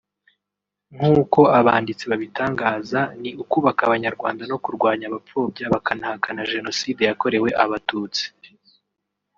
nk’uko abanditsi babitangaza ni ukubaka abanyarwanda no kurwanya abapfobya bakanahakana Jenoside yakorewe Abatutsi